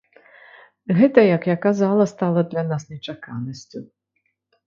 Гэта як я казала, стала для нас нечаканасцю.